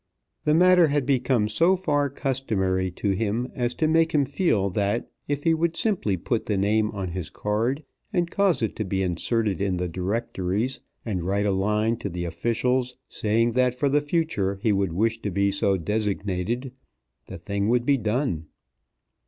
The matter had become so far customary to him as to make him feel that if he would simply put the name on his card, and cause it to be inserted in the Directories, and write a line to the officials saying that for the future he would wish to be so designated, the thing would be done.